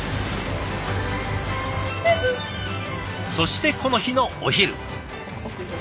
そしてこの日のお昼。